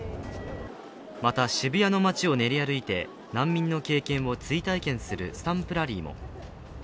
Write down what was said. また、渋谷の街を練り歩いて難民の経験を追体験するスタンプラリーも。